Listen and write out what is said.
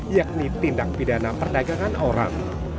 yakni tindak pidana perdagangan orang